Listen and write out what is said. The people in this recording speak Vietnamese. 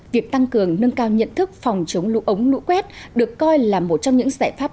việc tăng cường nâng cao nhận thức phòng chống lũ ống lũ quét được coi là một trong những giải pháp